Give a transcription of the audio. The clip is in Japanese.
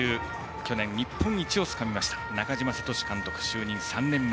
去年、日本一をつかみました中嶋聡監督就任、３年目。